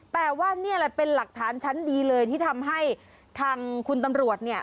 แต่ว่านี่แหละเป็นหลักฐานชั้นดีเลยที่ทำให้ทางคุณตำรวจเนี่ย